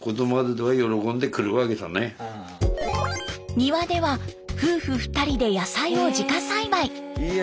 庭では夫婦２人で野菜を自家栽培。